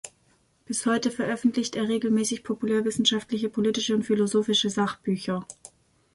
Bis heute veröffentlicht er regelmäßig populärwissenschaftliche politische und philosophische Sachbücher.